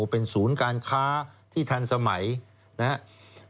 เป็นศูนย์การค้าที่ทันสมัยนะครับ